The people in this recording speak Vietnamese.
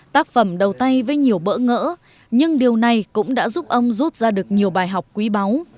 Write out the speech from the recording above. tác phẩm đầu tay với nhiều bỡ ngỡ nhưng điều này cũng đã giúp ông rút ra được nhiều bài học quý báu